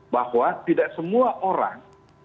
bahwa tidak semua orang